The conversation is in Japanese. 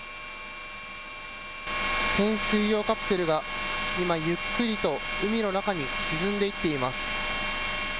潜水用カプセルが今ゆっくりと海の中に沈んでいっています。